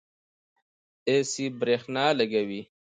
ایسی برښنا لګوي